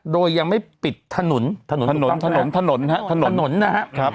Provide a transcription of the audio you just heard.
โดยยังไม่ปิดถนนถนนถนนถนนฮะถนนถนนนะครับ